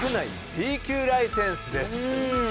Ｂ級ライセンス。